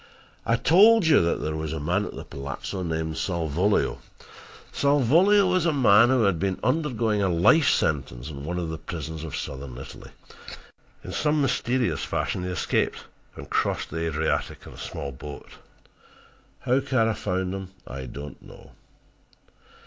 "I told you that there was a man at the palazzo named Salvolio. Salvolio was a man who had been undergoing a life sentence in one of the prisons of southern Italy. In some mysterious fashion he escaped and got across the Adriatic in a small boat. How Kara found him I don't know.